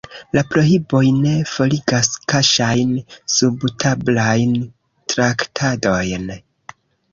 La prohiboj ne forigas kaŝajn, subtablajn traktadojn.